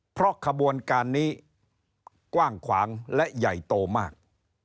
เพราะขบวนการนี้กว้างขวางและใหญ่โตมาก